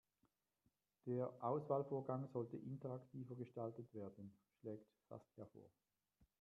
Der Auswahlvorgang sollte interaktiver gestaltet werden, schlägt Saskia vor.